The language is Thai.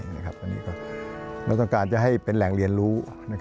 เราต้องการจะให้เป็นแหล่งเรียนรู้